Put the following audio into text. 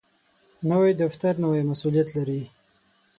نوی دفتر نوی مسؤولیت لري